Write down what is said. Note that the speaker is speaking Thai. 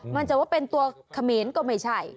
มันจะว่าเป็นตัวเขมรก็ไม่ใช่